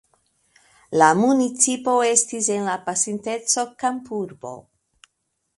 La municipo estis en la pasinteco kampurbo.